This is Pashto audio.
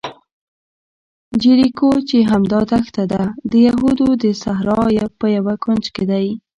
جیریکو چې همدا دښته ده، د یهودو د صحرا په یوه کونج کې دی.